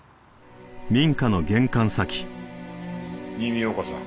新見陽子さん。